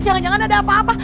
jangan jangan ada apa apa